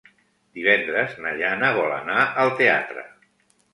Divendres na Jana vol anar al teatre.